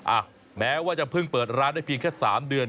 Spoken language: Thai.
อ่ะแม้ว่าจะเพิ่งเปิดร้านได้เพียงแค่๓เดือน